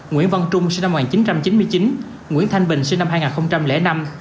nguyễn văn trung sinh năm một nghìn chín trăm chín mươi chín nguyễn thanh bình sinh năm hai nghìn năm